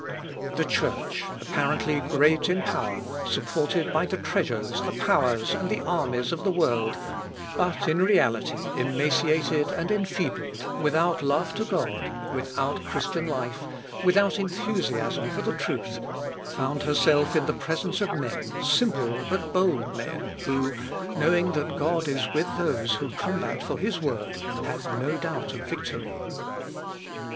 " The Church, apparently great in power, supported by the treasures, the powers and the armies of the world, but in reality emaciated and enfeebled, without love to God, without Christian life, without enthusiasm for the truth, found herself in presence of men, simple, but bold, men who, knowing that God is with those who combat for His Word, had no doubt of victory?